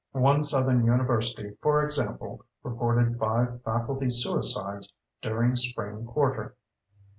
One Southern university, for example, reported five faculty suicides during spring quarter.